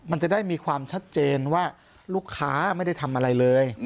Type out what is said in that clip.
มันจะได้มีความชัดเจนว่าลูกค้าไม่ได้ทำอะไรเลย